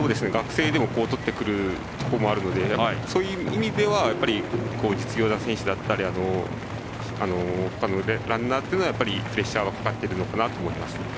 学生でもとってくるとこがあるのでそういう意味では実業団選手だったり他のランナーはプレッシャーはかかってると思います。